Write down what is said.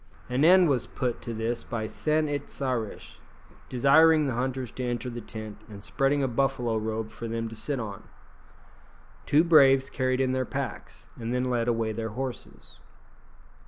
An end was put to this by San it sa rish desiring the hunters to enter the tent, and spreading a buffalo robe for them to sit on. Two braves carried in their packs, and then led away their horses.